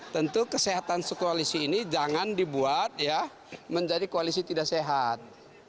tentu kesehatan sekoalisi ini jangan dibuat menjadi koalisi tidak sehat